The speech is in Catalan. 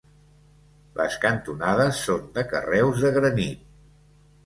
Les cantonades són de carreus de granit.